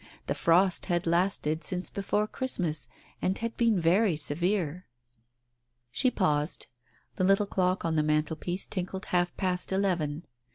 The frost had lasted since before Christmas, and had been very severe. ... She paused. The little clock on the mantelpiece tinkled half past eleven.